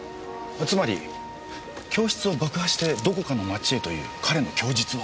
つまり教室を爆破してどこかの町へという彼の供述は。